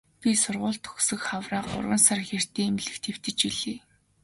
Би сургууль төгсөх хавраа гурван сар хэртэй эмнэлэгт хэвтэж билээ.